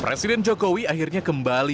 presiden jokowi akhirnya kembali